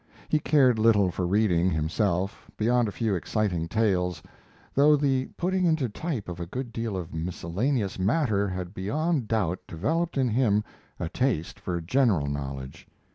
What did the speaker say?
He cared little for reading, himself, beyond a few exciting tales, though the putting into type of a good deal of miscellaneous matter had beyond doubt developed in him a taste for general knowledge.